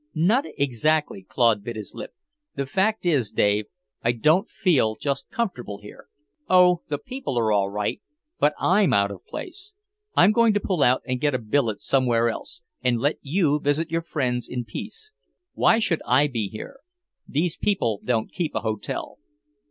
"Not exactly." Claude bit his lip. "The fact is, Dave, I don't feel just comfortable here. Oh, the people are all right. But I'm out of place. I'm going to pull out and get a billet somewhere else, and let you visit your friends in peace. Why should I be here? These people don't keep a hotel."